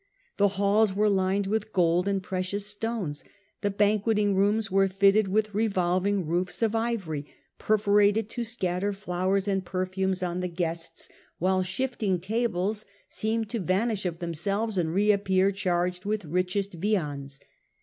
The halls were lined with gold and precious stones; the banqueting rooms were fitted with revolving roofs of ivory, per forated to scatter flowers '^Jid perfumes on the guests no The Earlier Empire. a.d. 54 68. while shifting tables seemed to vanish of themselves and reappear charged with richest viands.